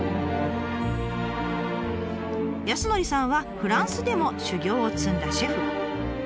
康典さんはフランスでも修業を積んだシェフ。